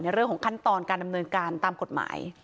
เรื่องของขั้นตอนการดำเนินการตามกฎหมาย